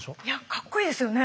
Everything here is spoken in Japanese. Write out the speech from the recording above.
かっこいいですよね。